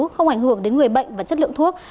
không ảnh hưởng đến người bệnh và chất lượng thuốc